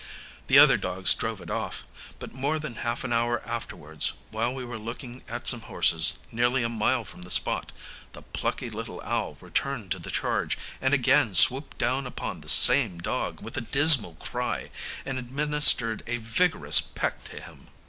The other dogs drove it off; but more than half an hour afterwards, while we were looking at some horses, nearly a mile from the spot, the plucky little owl returned to the charge, and again swooped down upon the same dog, with a dismal cry, and administered a vigorous peck to him.